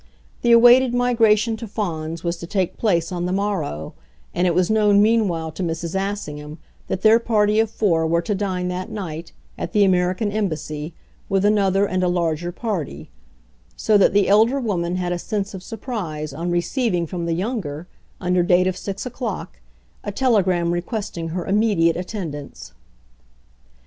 The awaited migration to Fawns was to take place on the morrow, and it was known meanwhile to Mrs. Assingham that their party of four were to dine that night, at the American Embassy, with another and a larger party; so that the elder woman had a sense of surprise on receiving from the younger, under date of six o'clock, a telegram requesting her immediate attendance.